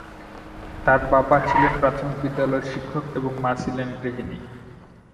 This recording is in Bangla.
তাঁর বাবা ছিলেন প্রাথমিক বিদ্যালয়ের শিক্ষক এবং মা ছিলেন গৃহিণী।